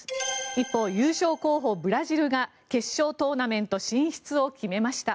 一方、優勝候補ブラジルが決勝トーナメント進出を決めました。